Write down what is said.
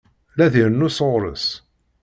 La d-irennu sɣur-s.